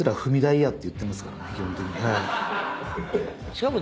しかも。